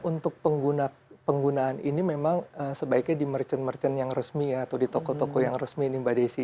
jadi kalau memang untuk penggunaan ini memang sebaiknya di merchant merchant yang resmi ya atau di toko toko yang resmi ini mbak desi